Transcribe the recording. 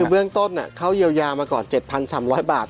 คือเบื้องต้นเขาเยียวยามาก่อน๗๓๐๐บาท